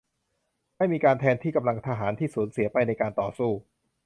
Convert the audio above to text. ไม่มีการแทนที่กำลังทหารที่สูญเสียไปในการต่อสู้